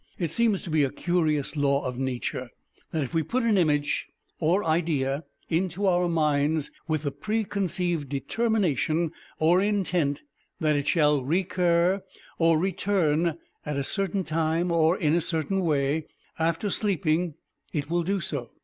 It seems to be a curious law of Nature that if we put an image or idea into our minds with the preconceived determination or intent that it shall recur or return at a certain time, or in a certain way, after sleeping, it will do so.